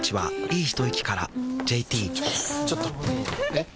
えっ⁉